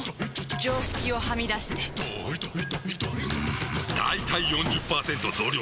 常識をはみ出してんだいたい ４０％ 増量作戦！